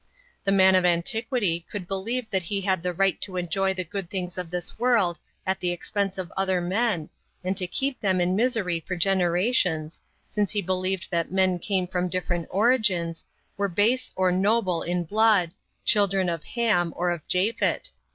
The man of antiquity could believe he had the right to enjoy the good things of this world at the expense of other men, and to keep them in misery for generations, since he believed that men came from different origins, were base or noble in blood, children of Ham or of Japhet.